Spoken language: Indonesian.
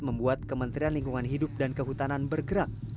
membuat kementerian lingkungan hidup dan kehutanan bergerak